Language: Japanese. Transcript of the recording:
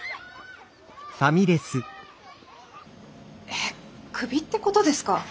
えクビってことですか？